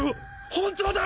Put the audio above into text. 本当だ！